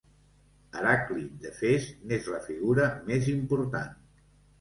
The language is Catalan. Heràclit d'Efes n'és la figura més important.